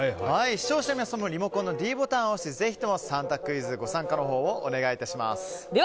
視聴者の皆さんもリモコンのｄボタンを押してぜひとも、３択クイズにご参加をお願いします。